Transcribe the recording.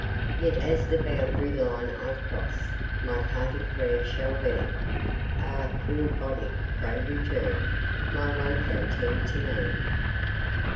Yet as the boundary line I cross, My parting prayer shall be Ah! cruel Bonney! pray return My one pound ten to me!